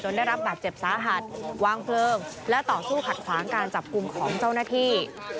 ได้รับบาดเจ็บสาหัสวางเพลิงและต่อสู้ขัดขวางการจับกลุ่มของเจ้าหน้าที่